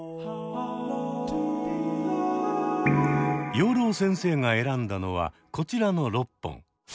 養老先生が選んだのはこちらの６本。